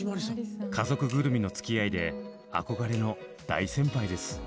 家族ぐるみのつきあいで憧れの大先輩です。